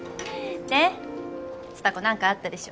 で蔦子なんかあったでしょ？